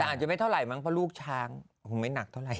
แต่อาจจะไม่เท่าไหร่เพราะลูกช้างไหนหนักเท่าไหร่